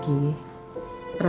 aku akan mencarimu